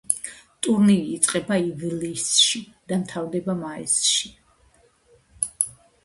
ტურნირი იწყება ივლისში და მთავრდება მაისში.